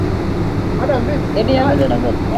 ni kundi linalotetea dini ya kiislamu